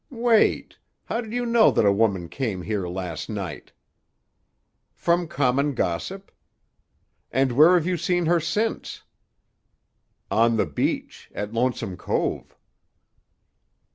"Wait! How did you know that a woman came here last night?" "From common gossip." "And where have you seen her since?" "On the beach, at Lonesome Cove."